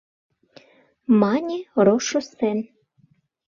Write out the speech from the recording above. — мане Рошуссен.